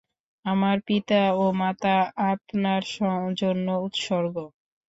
আমার পিতা ও মাতা আপনার জন্য উৎসর্গ!